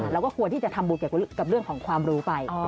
เราก็ควรที่จะทำบุญเกี่ยวกับเรื่องของความรู้ไป